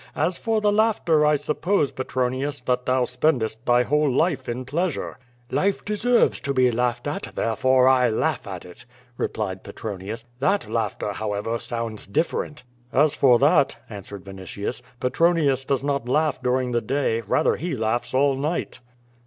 As for the laughter, I suppose, Petronius, that thou spendest thy whole life in pleasure." "Life deserves to be laughed at, therefore I laugh at it," replied Petronius. "That laughter, however, sounds differ ent." "As for that," added Vinitius, "Petronius does not laugh during the day, rather he laughs all night."